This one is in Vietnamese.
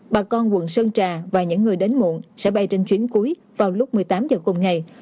bà con quận sơn trà và những người đến muộn sẽ bay trên chuyến cuối vào lúc một mươi tám h cùng ngày